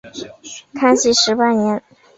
康熙十八年。